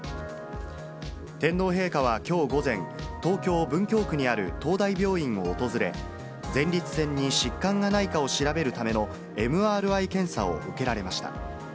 天皇陛下はきょう午前、東京・文京区にある東大病院を訪れ、前立腺に疾患がないかを調べるためのＭＲＩ検査を受けられました。